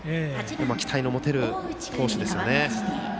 期待の持てる投手ですね。